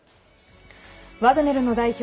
ワグネルの代表